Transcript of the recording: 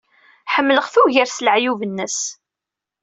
Ḥemmleɣ-t ugar s leɛyub-nnes.